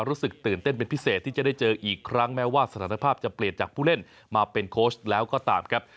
รู้สึกตื่นเต้นเป็นพิเศษที่จะได้เจออีกครั้งแม้ว่าสถานภาพจะเปลี่ยนจากผู้เล่นมาเป็นโค้ชแล้วก็ตามครับ